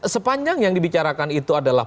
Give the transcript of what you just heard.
sepanjang yang dibicarakan itu adalah